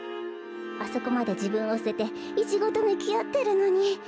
あそこまでじぶんをすててイチゴとむきあってるのに。